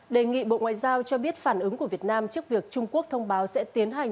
đề nghị bộ ngoại giao cho biết phản ứng của việt nam trước việc trung quốc thông báo sẽ tiến hành